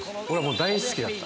大好きだった。